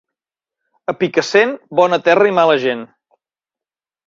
A Picassent, bona terra i mala gent.